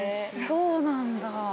そうなんだぁ。